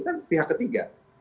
itu kan pihak ketiga